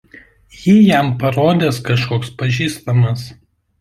Jį jam parodęs kažkoks pažįstamas.